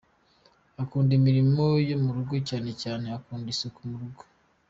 Akunda imirimo yo mu rugo cyane cyane akunda isuku mu rugo.